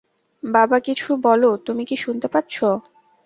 বাবা, কিছু বলো তুমি কি শুনতে পাচ্ছো?